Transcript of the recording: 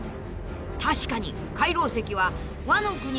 ［確かに］